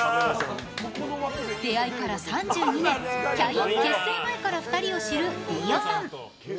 出会いから３２年キャイン結成前から２人を知る飯尾さん。